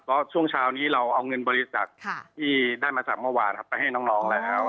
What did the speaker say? เพราะช่วงเช้านี้เราเอาเงินบริจาคที่ได้มาจากเมื่อวานครับไปให้น้องแล้ว